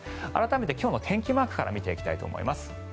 今日の天気マークから見ていきたいと思います。